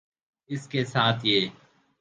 اس کے ساتھ یہ